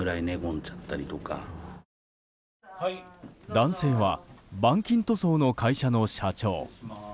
男性は板金塗装の会社の社長。